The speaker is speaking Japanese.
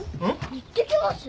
いってきます？